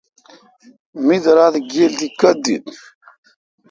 می درا تھ گیل تی کوتھ دیت۔